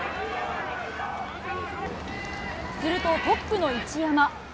するとトップの一山。